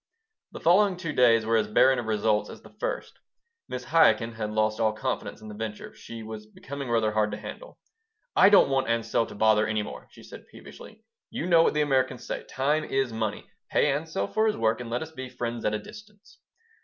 The following two days were as barren of results as the first. Mrs. Chaikin had lost all confidence in the venture. She was becoming rather hard to handle "I don't want Ansel to bother any more," she said, peevishly. "You know what the Americans say, 'Time is money.' Pay Ansel for his work and let us be 'friends at a distance.'"